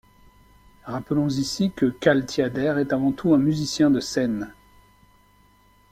Rappelons ici, que Cal Tjader est avant tout un musicien de scène.